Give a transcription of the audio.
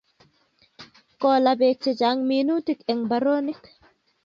Kolaa peek che chang minutik eng' mbaronik